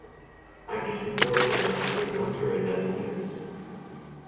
I just report them as they masquerade as news.